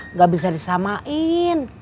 nggak bisa disamain